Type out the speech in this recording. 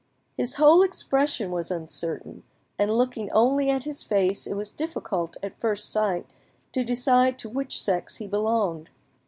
His whole expression was uncertain, and looking only at his face it was difficult at first sight to decide to which sex he belonged.